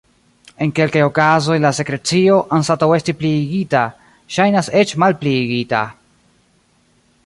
En kelkaj okazoj la sekrecio, anstataŭ esti pliigita, ŝajnas eĉ malpliigita.